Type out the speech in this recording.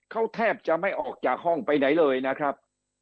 เขาแทบจะไม่ออกจากห้องไปไหนเลยนะครับ